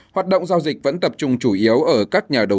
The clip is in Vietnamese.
hoạt động giao dịch vẫn tập trung chủ yếu ở các nhà đầu tư